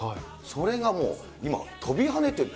それがもう、今は跳びはねてる。